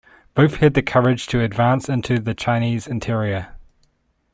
Both had the courage to advance into the Chinese interior.